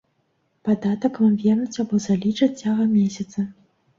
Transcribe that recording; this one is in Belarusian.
Падатак вам вернуць або залічаць цягам месяца.